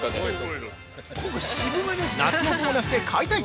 ◆夏のボーナスで買いたい！